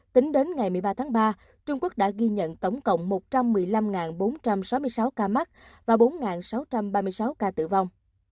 tính đến ngày một mươi ba tháng ba trung quốc đã ghi nhận tổng cộng một trăm một mươi năm bốn trăm sáu mươi sáu ca mắc và bốn sáu trăm ba mươi sáu ca tử vong